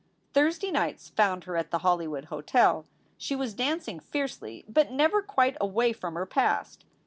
Thursday nights found her at the Hollywood Hotel. She was dancing fiercely, but never quite away from her past.